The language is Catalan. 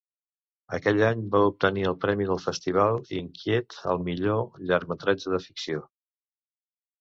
Aquell any va obtenir el Premi del Festival Inquiet al millor llargmetratge de ficció.